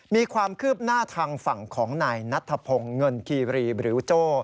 มีความคืบหน้าทางฝั่งของนายนัทธพงศ์เงินคีรีหรือโจ้